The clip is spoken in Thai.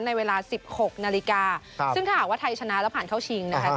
ในเวลาสิบหกนาฬิกาซึ่งถ้าหากว่าไทยชนะแล้วผ่านเข้าชิงนะคะ